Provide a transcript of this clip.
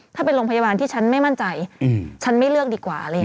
ถ้าเป็นโรงพยาบาลที่ฉันไม่มั่นใจฉันไม่เลือกดีกว่า